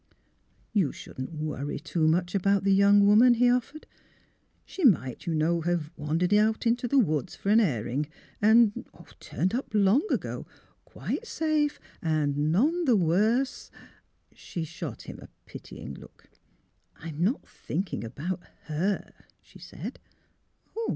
'' You shouldn't worry too much about the young woman," he offered. " She might, you know, have wandered out into the woods for an airing, and — er — turned up long ago, quite safe and — er — none the worse for " She shot him a pitying look. ''I'm not thinking about her/' she said.